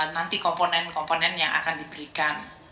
nanti komponen komponen yang akan diberikan